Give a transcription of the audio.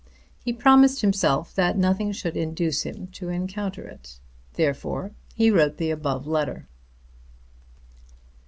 He promised himself that nothing should induce him to encounter it. Therefore, he wrote the above letter.